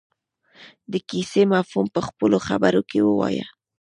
د کیسې مفهوم په خپلو خبرو کې ووايي.